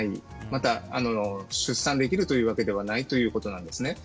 また、出産できるというわけではないんですね。